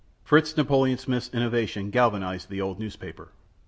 Fritz Napoleon Smith's innovation galvanized the old newspaper.